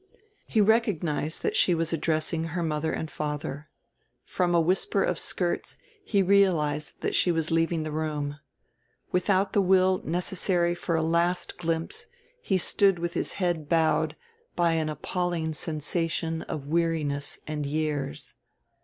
He recognized that she was addressing her mother and father. From a whisper of skirts he realized that she was leaving the room. Without the will necessary for a last glimpse he stood with his head bowed by an appalling sensation of weariness and years.